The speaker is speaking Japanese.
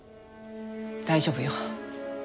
大丈夫よ。